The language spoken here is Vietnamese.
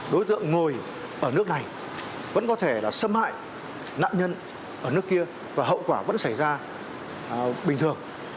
đối tượng ngồi ở nước này vẫn có thể là xâm hại nạn nhân ở nước kia và hậu quả vẫn xảy ra bình thường